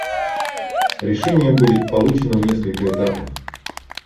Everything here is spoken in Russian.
Решение будет получено в несколько этапов.